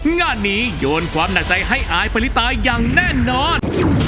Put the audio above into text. งานนี้โยนความหนักใจให้อายปริตาอย่างแน่นอน